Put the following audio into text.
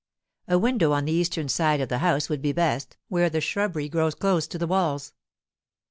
A window on the eastern side of the house would be best, where the shrubbery grows close to the walls.